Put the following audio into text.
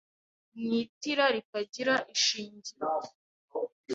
mu itira ritagira ishingiro